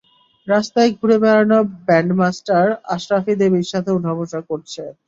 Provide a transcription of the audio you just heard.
রাস্তায় ঘুরে বেড়ানো ব্যান্ড-মাষ্টার আসরাফি দেবীর সাথে উঠাবসা করছে।